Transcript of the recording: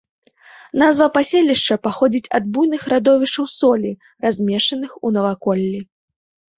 Назва паселішча паходзіць ад буйных радовішчаў солі, размешчаных у наваколлі.